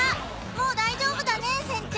もう大丈夫だね船長。